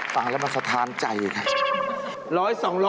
ฟังแล้วมันสะท้านใจค่ะ